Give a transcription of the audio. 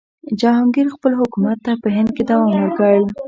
جهانګیر خپل حکومت ته په هند کې دوام ورکړ.